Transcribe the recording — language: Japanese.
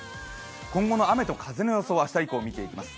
今後の雨と風の予想、明日以降、みていきます。